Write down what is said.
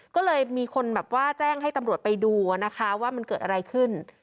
ก็เลยมีคนแบบว่าแจ้งให้ตำรวจไปดูนะคะว่ามันเกิดอะไรขึ้น